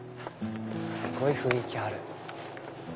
すごい雰囲気ある。